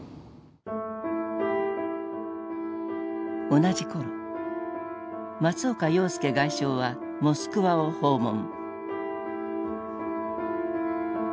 同じ頃松岡洋右外相はモスクワを訪問。